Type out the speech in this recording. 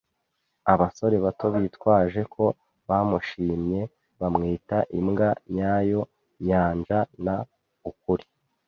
abasore bato bitwaje ko bamushimye, bamwita "imbwa nyayo-nyanja" n "" ukuri